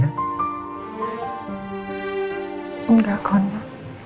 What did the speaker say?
ya terus lagi mikirin apa kalo gitu